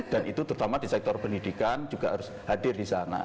dan itu terutama di sektor pendidikan juga harus hadir di sana